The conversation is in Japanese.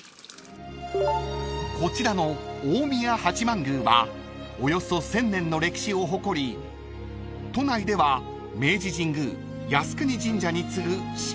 ［こちらの大宮八幡宮はおよそ１，０００年の歴史を誇り都内では明治神宮靖國神社に次ぐ敷地面積の神社］